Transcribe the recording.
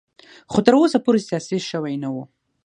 خو تر اوسه پورې سیاسي شوی نه و.